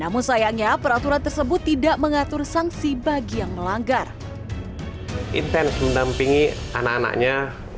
masyarakat juga diimbau tidak mengendarai sepeda listrik di jalan raya